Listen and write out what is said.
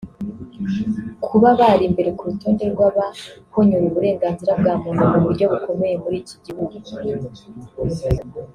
kuba bari imbere ku rutonde rw’abahonyora uburenganzira bwa muntu mu buryo bukomeye muri iki gihugu